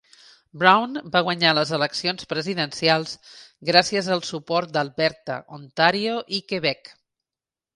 Brown va guanyar les eleccions presidencials gràcies al suport d'Alberta, Ontario i Quebec.